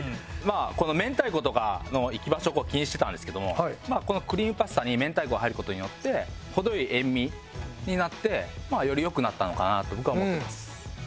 この明太子とかの行き場所を気にしてたんですけどもこのクリームパスタに明太子が入る事によって程良い塩味になってより良くなったのかなと僕は思ってます。